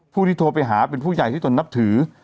ผู้ที่โทรไปหาเป็นผู้ใหญ่ที่ตนนับถือ